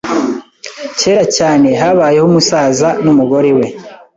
Kera cyane., habayeho umusaza numugore we .